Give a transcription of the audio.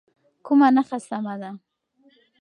کومه نښه سمه ده؟